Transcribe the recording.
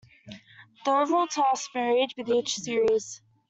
Their overall task varied with each series.